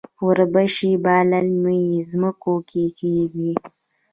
وربشې په للمي ځمکو کې کیږي.